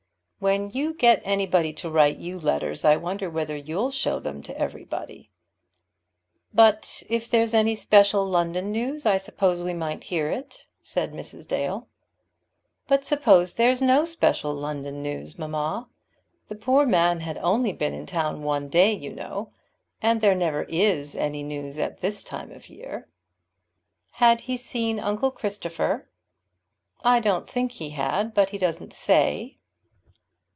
"When you get anybody to write to you letters, I wonder whether you'll show them to everybody?" "But if there's any special London news, I suppose we might hear it," said Mrs. Dale. "But suppose there's no special London news, mamma. The poor man had only been in town one day, you know: and there never is any news at this time of the year." "Had he seen uncle Christopher?" "I don't think he had; but he doesn't say.